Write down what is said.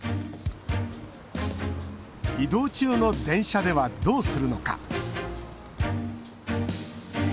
移動中の電車では、どうするのか。